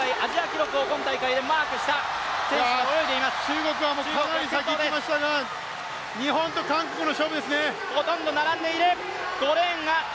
中国はずいぶん先に行きましたが日本と韓国の勝負ですね。